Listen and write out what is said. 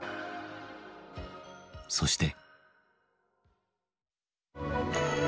そして。